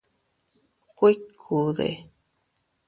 ¿Kuikude?